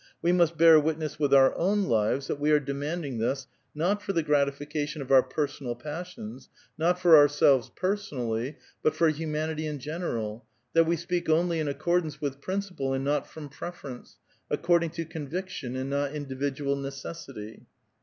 We must bear witness with our own lives, that we are demanding this, not for the gratifica tion of our personal passions, not for ourselves personally, but for humanity iu general, that we speak only in accord ance with principle and not from preference, according ta conviction and not individual necessity'."